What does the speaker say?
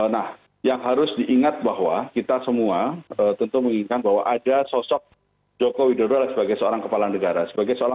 nah yang harus diingat bahwa kita semua tentu menginginkan bahwa ada sosok joko widodo sebagai seorang kepala negara